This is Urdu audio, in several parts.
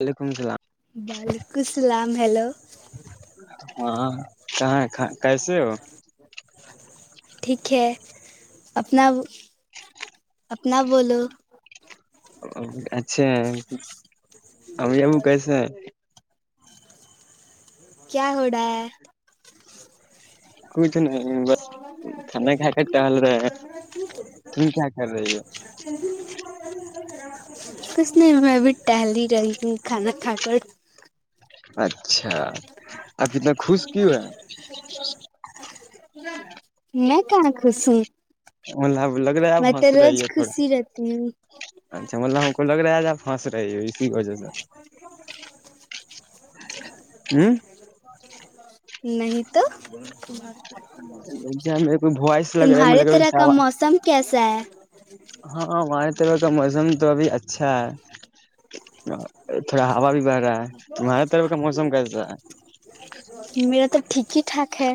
وعلیکم السلام وعلیکم السلام ہیلو [unintelligible] ہاں کہاں کیسے ہو ٹھیک ہے اپنا اپنا بولو اچھا ا ام کیسے کیا ہو رہا ہے ک [unintelligible] ٹہل رہے ہیں تم کیا کر رہی کچھ نہیں میں بھی ٹہل ہی رہی توں کھانا کھا کے کٹ [unintelligible] [unintelligible] اچھا آپ کتنا خوش کیوں ہے میں کنا خوش ہوں ملہ لگ رہا ہے آب میں ہنس تو رہی روز ہے تھوڑا خوشی رہتی ہوں اچھا ملہوں کو لگ رہا ہے ج آب ہاں سر یک سر ہ نہیں تو اچھا میرے کو وائس لگ تمہارے رہا طرح کا ہے موسم کیسا ہے ہاں ہمارے طرف کا موسم تو ابھی اچھا ہے تھوڑا ہا بھی بہھ رہا ہے تمہارے طرف کا موسم کیسا ہے تاکے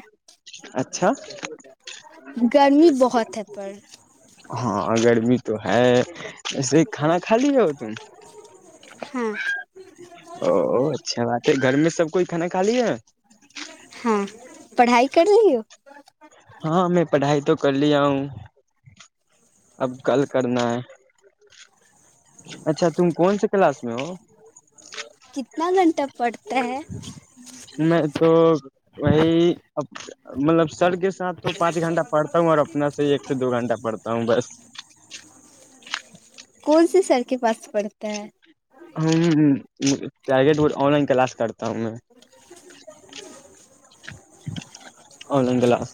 بہت ہے پر [unintelligible] ہاں اگرگر بھی تو ہے ایسے کھانا خالی ہے تم ہاں او اچھا بات ہے گھر میں سب کوئی کھانا کالی ہے ہاں پڑھائی کر رہی ہو ہاں میں پڑھائی تو کر لیا ہوں اب کل کرنا ہے اچھا تم کون سے کلاس میں ہو کتنا گھنٹہ پڑتا ہے میں تو وہی مطلب سر کے ساتھ تو پانچ گھنٹہ پڑتا ہوں اور اپنا سے ہی ایک سے دو گھنٹہ پڑتا ہوں بس [inaudible] کون سی سار کی پس پڑے کہ [unintelligible] ہم ٹارگٹ آن لائن کلاس کرتے تؤ میں آن لائن کلاس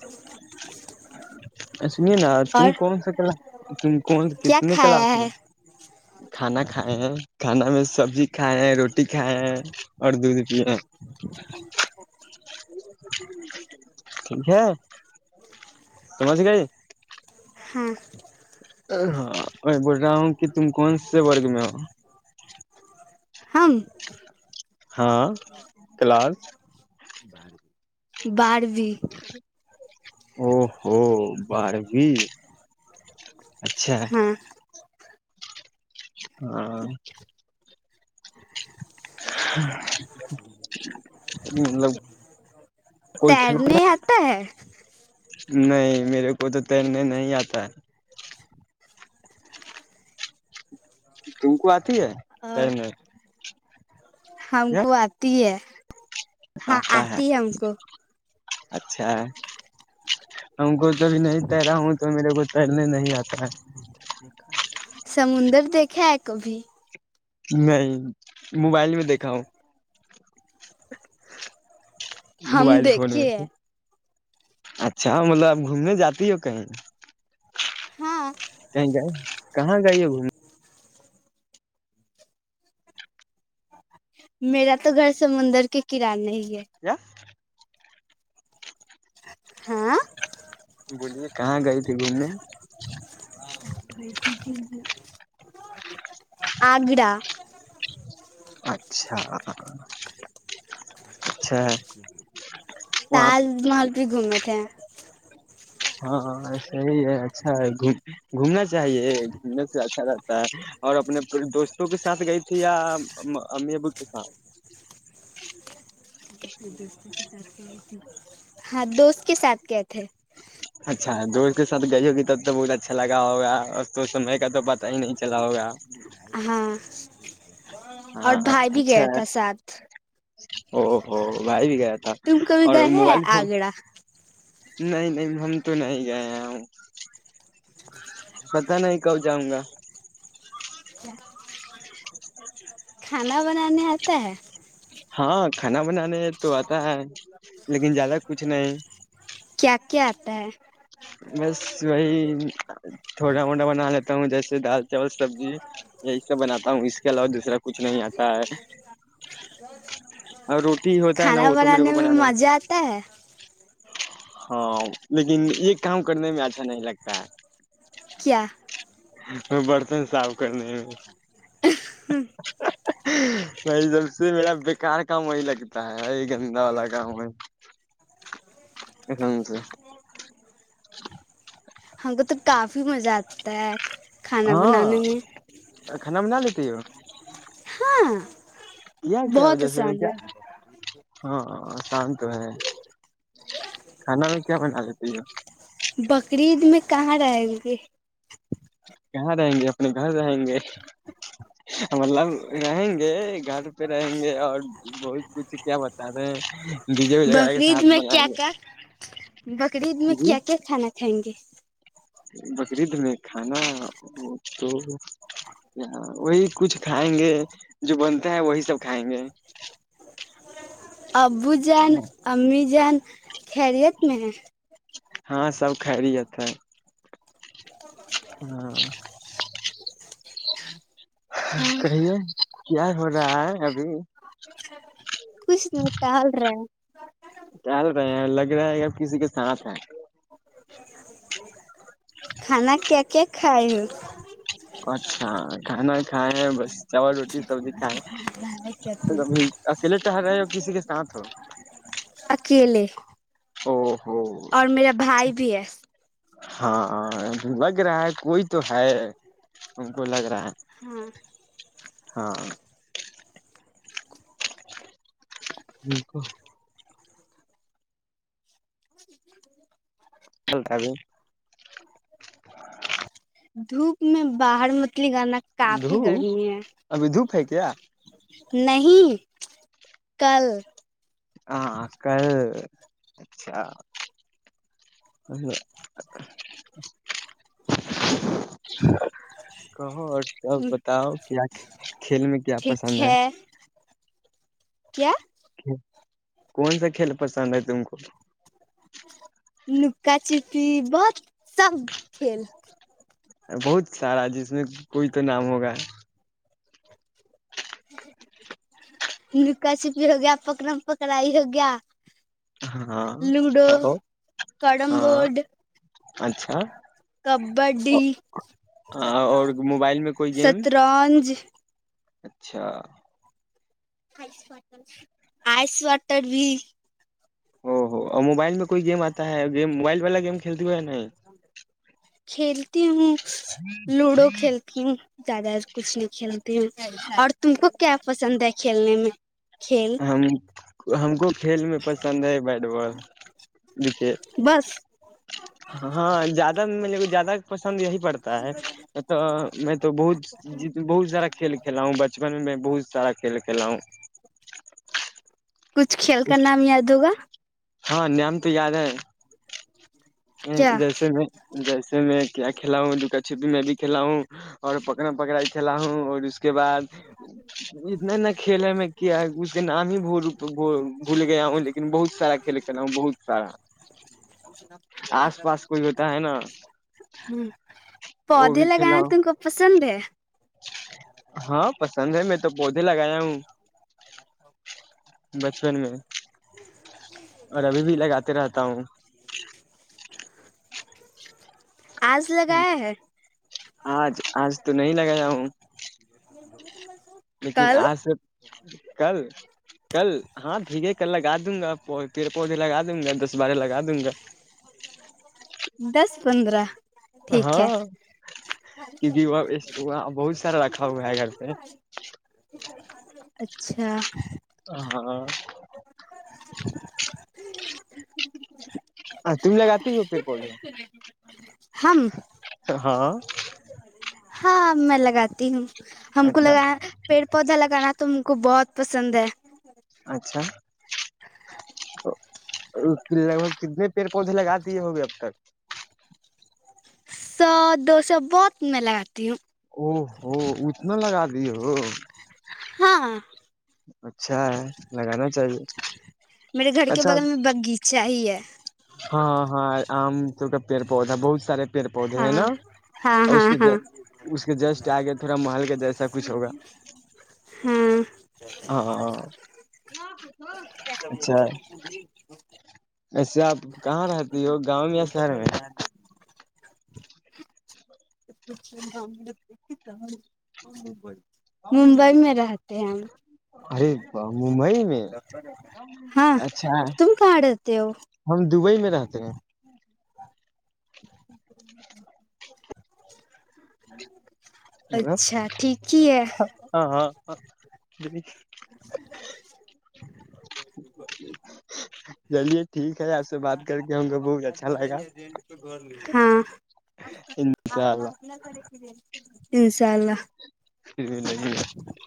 سنیے نا تم اور کون سا کلا تم کون سے کیا کتنے کھایا کلاس میں ہے کھانا کھائے ہیں کھانا میں سبزی کھائےیں ہیں روٹی رٹی کائے اور دودھ پیے ٹھیک ہے سم سے کہئی ہاں ہاں میں بول رہا ہوں کہ تم کون سے وورگ میں ہو ہم ہاں کلاس بارو بار بھی اچھا ج ہاں مطلب کوئی کھیلتے تیرنے آتا ہے نہیں میرے کوئی تو تیرنے نہیں آتا ہے تم کو آ [unintelligible] ا ہے اور [unintelligible] ہم کو آتی ہے ہاں آتی ہے ہم کو اچھا ان کو کبھی نہیں تیرا ہوں تو میرے کو پہلنے نہیں آئے سمندر دیکھے کبھی نہیں موبائل میں دیکھا ہوں ہم موبائل فون دیکھیے میں اچھا مطلب اب گھومنے جاتی ہو کہیں ہاں کیں کیایں کہاں گئیے گھومنے میرا تو گھر سمندر کے کرانے ہی ہے کیا [unintelligible] ہاں [unintelligible] بولیے کہاں گئے تھی گھومنے اگرح اچھا اچھا وہاں تاج محل بھی گھومے تھے ہاں صحیح ہے اچھا ہے گھومنا چاہیے گھومنے سے اچھا رہتا ہے اور اپنے پورے دوستوں کے ساتھ گئی تھی یا امی ابو کے ساتھ ہاں دوست کے ساتھ کیا تھے ا دوست کے سات گئی ہو گی تب تو بہت اچھا لگا ہوگا اور تو سمے کا تو پتا ہی نہیں چلا ہوگا ہاں اور ہاں بھائی بھی اچھا گیا تھا ساتھ او ہوو بدیک تم ک و گ ہے آگڑا نہیں نہیں ہم تو نہیں گئے ہوں پت نہیں کب جاؤں گا [inaudible] کھانا بنانے آتا ہے ہاں کھانا بنانے تو آتا ہے لیکن زیادہ کچھ نہیں کیا کیا آتا ہے بس وہی تھوٹا موٹا بنا لیتا ہوں جیسے دال چاول سبزی یہی سب بنا ہوں اس کے علاوہ دوسرا کچھ نہیں آتا ہے اور روٹی ہوتا ہے نا کھانا وہ تو میرے بنانے کو میں مزہ آتا ہے ہاں لیکن یہ کام کرنے میں اچھا نہیں لگتا ہے کیا برتن صاف کر نہیں نہیں جب سے میرا بیکار کام وہی لگتا ہے وہی گندا والا کام ہے سے [inaudible] وہ تو کافی مزہ آتا ہے کھانا بنانے میں نام نالیتی ہو ہاں کیا کیا بہت وجہ سے آسان میں ہے کیا ہاں ش تو ہے کھانا میں کیا بنا [inaudible] بکری عید میں کہاں رہ گے کہاں رہیں گے اپنے گھر رہیں گے مطلب رہیں گے گھر پہ رہیں گے اور بہت کچھ کیا بتا رہے ہیں ڈی جے وغیرہ کے بقرید ساتھ میں بنائیں کیا کیا بقرید میں گے کیا کیا کھانا کھائیں گے بکری عید میں کھانا وہ تو کیا وہی کچھ کھائیں گے جو بنتا ہے وہی سب کھائیں گے ابو جان امی جان خیریت میں ہاں سب کریی ہےتے ہاں کہیے کیا ہو رہا ہے ابھی کچھ نہیں ٹہل رہا ہے ٹہل رہے ہیں لگ رہا ہے اب کسی کے ساتھ ہے کھانا کیا کیا کھائے ہو اچھا کہنا کھائے ہیں بس چاول روٹی سبزی کھائے کیا تم اکیلے ٹہل رہے ہیں اور کسی کے ساتھ ہو اکیلے او ہو اور میرا بھائی بھی ہے ہاں لگ رہا ہے کوئی تو ہے ان کو لگ رہا ہے ہاں ہاں ان کو [unintelligible] چلتا بھی دھوپ میں باہر م دھوپ ابھی دھوپ ہے کیا نہیں کل ہاں کل اچھا ا [unintelligible] کہو اور سب بتاؤ کیا کھیل میں کیا پسند ہے کیا کون سا کھیل پسند ہے تم کو لوکا چپی بہت سب کل بہت سارا جس میں کوئی تو نام ہوگا لوکا چپی ہو گیا پکڑا پکڑاائی ہو گیا ہاں لوڈو کرڑم ہاں بورڈ اچھا کبڈی اور موبائل میں کوئی گیم سترنج اچھا وار آئس واٹر بھی ا اور موبائل میں کوئی گیم آتا ہے گ موبائل والا گیم کھیلتا کھیلتی ہوں لوڈو کھیلتی ہوں زیادہ کچھ نہیں کھیلتی ہ اور تم کو کیا پسند ہے کھیلنے میں کھیل ہم ہم کو کھیل میں پسند ہے بیٹ بال کرکٹ بس ہاں زیادہ مے کو زیادہ پسند یہی پڑتا ہے تو میں تو بہت بہت سارا کھیل کھیلا ہوں بچپن میں میں بہت سارا کھیل کھیلا ہوں کچھ کھیل کا نام یاد ہوگا ہاں نام تو یاد ہے کیا جیسے میں جیسے میں کیا کھلا ہوں لکا چھپی میں بھی کھلا ہوں اور پکڑا پکڑا کھلا ہوں اور اس کے بعد اتنا ن کھیل ہے میں کیا اس کے نام ہی بول بھول گیا ہوں لن بہت سارا کھیل ک بہت سارا ہ آس پاس کوئی ہوتا ہے نا وہ پودے بھی لگانا کھیلا ہوں تم کو پسند ہے ہاں پسند ہے میں تو پودے لگایا ہوں بچپن میں اور ابھی بھی لگاتے رہتا ہوں آج لگایا ہے آج آج تو نہیں لگایا ہوں لیکن کل آج سے کل کل ہاں بھیگے کل لگا دوں گا تیرے پودے لگا دوں گا دس بارہ لگا دوں گا دس پندرہ ٹھیک ہے ہاں کیونک بہت سارا رکھا ہوا ہے گھر پہ اچھا ہاں ہاں ہاں تم ل گات ہو پھر پودے [unintelligible] ہم ہاں ہاں میں لگاتی ہوں ہم کو اچھا لگانا پیڑ پودا لگانا تم کو بہت پسند ہے اچھا لگ بھگ کتنے پیڑ کون سے لگاتی ہے ہو بھی اب تک سو دو سو بہت میلاگتا او ہو اتنا لگا د [unintelligible] ہاں اچھا ہے لگانا چاہیے میرے گھر کے اچھا بغل میں باغیچہ ہی ہے ہاں ہاں آم تو کا پیڑ پودا بہت سارے پیڑ پودے ہے نا ہاں ہاں اور اس ہاں کے ہاں اس کے جسٹ آگ تھوڑا محل کے جیسا کچھ ہوگا ہاں ہاں اچھا ایسے آپ کہاں رہتی ہو گاؤں میں یا شہر میں [unintelligible] ممبئی میں رہتے ہیں ہم ارے ممبئی میں ہاں اچھا تم کہاں رہتے ہو ہم دبئی میں رہتے ہیں ہ [unintelligible] ہ ہاں ہاں ہاں د [inaudible] [inaudible] جلیے [inaudible] نا گ لگا ہے ر [unintelligible] ان شاء اللہ انشاءاللہ [inaudible] یہ ل [unintelligible]